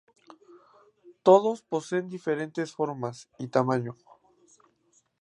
Todos poseen diferentes formas y tamaño.